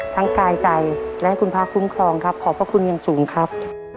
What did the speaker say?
กายใจและคุณพระคุ้มครองครับขอบพระคุณอย่างสูงครับ